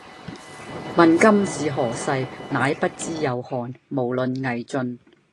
問今是何世，乃不知有漢，無論魏晉